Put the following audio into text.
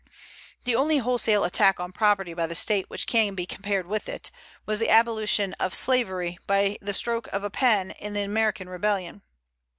The only wholesale attack on property by the State which can be compared with it, was the abolition of slavery by a stroke of the pen in the American Rebellion.